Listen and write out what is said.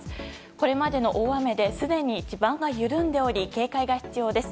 これまでの大雨ですでに地盤が緩んでおり警戒が必要です。